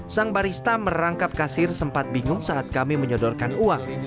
sang barista merangkap kasir sempat bingung saat kami menyodorkan uang